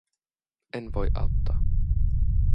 En voi auttaa.